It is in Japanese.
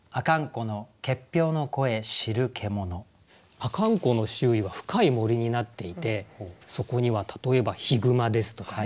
阿寒湖の周囲は深い森になっていてそこには例えばヒグマですとかね